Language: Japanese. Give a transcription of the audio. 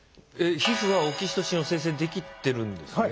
皮膚はオキシトシンを生成できてるんですね。